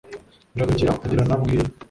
Biradogera agera na Bweya.